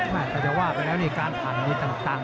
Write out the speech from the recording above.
แต่อย่าว่าไปแล้วนี่การผ่านมีต่าง